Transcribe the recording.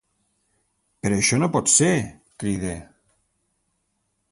Però això no pot ser! —crida—.